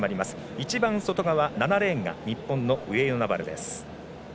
一番外側、７レーンが日本の上与那原です。